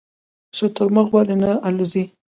شترمرغ ولې نه الوځي؟